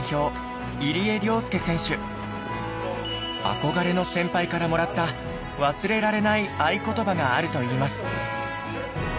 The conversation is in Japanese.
憧れの先輩からもらった忘れられない愛ことばがあるといいます。